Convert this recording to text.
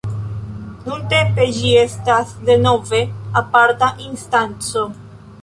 Nuntempe ĝi estas denove aparta instanco.